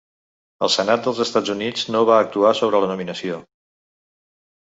El Senat dels Estats Units no va actuar sobre la nominació.